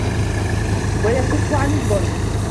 وَيَكُفَّ عَنْ الظُّلْمِ